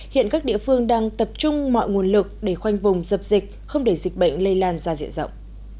hiện các địa phương đang tập trung mọi nguồn lực để khoanh vùng dập dịch không để dịch bệnh lây lan ra diện rộng